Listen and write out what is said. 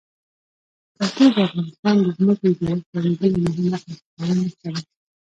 کلتور د افغانستان د ځمکې د جوړښت یوه بله مهمه او ښکاره نښه ده.